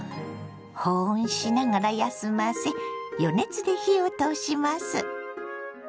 保温しながら休ませ予熱で火を通します。